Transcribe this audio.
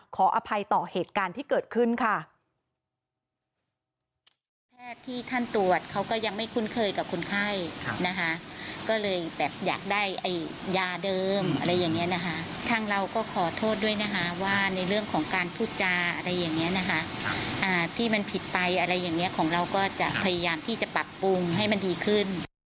ขออภัยต่อเหตุการณ์ที่เกิดขึ้นค่ะ